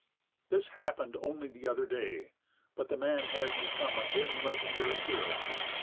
This happened only the other day, but the man has become a dim legendary hero.